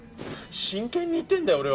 真剣に言ってるんだよ俺は。